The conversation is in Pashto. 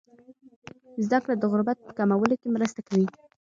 زده کړه د غربت په کمولو کې مرسته کوي.